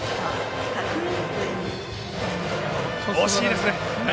惜しいですね。